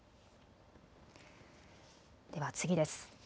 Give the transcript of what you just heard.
では次です。